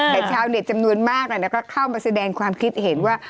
แต่ชาวเน็ตจำนวนมากก็เข้ามาแสดงความคิดเห็นว่า